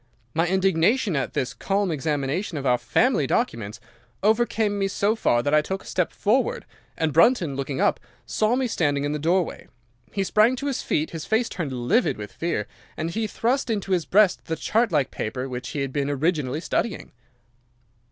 My indignation at this calm examination of our family documents overcame me so far that I took a step forward, and Brunton, looking up, saw me standing in the doorway. He sprang to his feet, his face turned livid with fear, and he thrust into his breast the chart like paper which he had been originally studying.